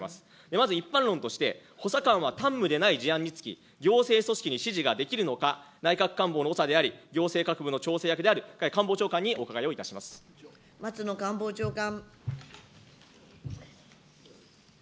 まず一般論として、補佐官は担務でない事案につき、行政組織に指示ができるのか、内閣官房の長であり行政各部の調整役である官房長官にお伺いをい松野官房長官。